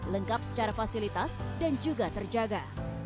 lengkap secara fasilitas dan juga terjaga